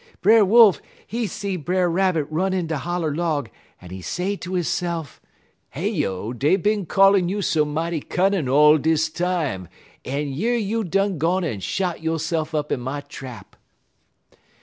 "Brer Wolf, he see Brer Rabbit run in de holler log, en he say ter hisse'f: "'Heyo, dey bin callin' you so mighty cunnin' all dis time, en yer you done gone en shot yo'se'f up in my trap.'